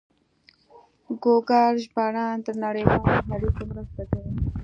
ګوګل ژباړن د نړیوالو اړیکو مرسته کوي.